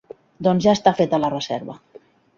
Doncs ja està feta la reserva.